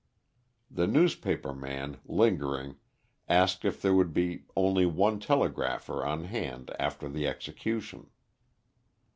The newspaper man, lingering, asked if there would be only one telegrapher on hand after the execution.